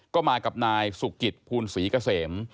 ก็มากับนายสุกิตภูลศรีเกษม